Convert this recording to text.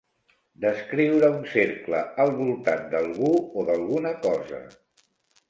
Descriure un cercle al voltant d'algú o d'alguna cosa.